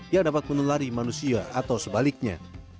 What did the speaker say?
yang dapat menulari manusia atau sebaliknya